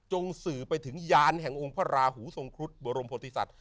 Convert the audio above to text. จงสื่อไปถึงยานแห่งองค์พระหูทรงครุฑบรมพลติศัตริย์